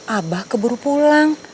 abah keburu pulang